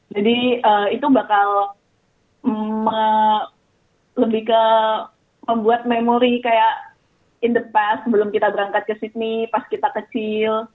jadi itu bakal lebih ke membuat memori kayak in the past sebelum kita berangkat ke sydney pas kita kecil